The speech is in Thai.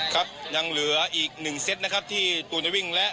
ครับยังเหลืออีกหนึ่งเซตนะครับที่ตูนจะวิ่งและ